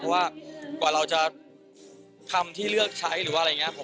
เพราะว่ากว่าเราจะคำที่เลือกใช้หรือว่าอะไรอย่างนี้